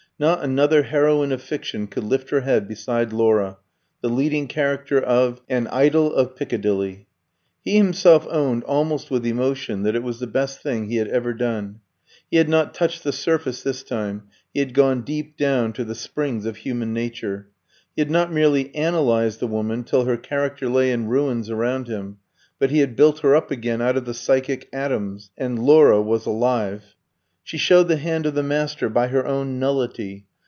Not another heroine of fiction could lift her head beside Laura, the leading character of "An Idyll of Piccadilly." He himself owned, almost with emotion, that it was the best thing he had ever done. He had not touched the surface this time; he had gone deep down to the springs of human nature. He had not merely analysed the woman till her character lay in ruins around him, but he had built her up again out of the psychic atoms, and Laura was alive. She showed the hand of the master by her own nullity.